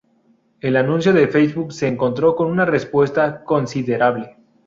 El anuncio de Facebook se encontró con una respuesta considerable.